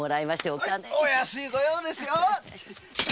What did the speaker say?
お安い御用ですよ！